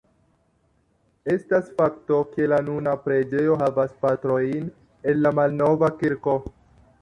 Estas fakto, ke la nuna preĝejo havas partojn el la malnova kirko.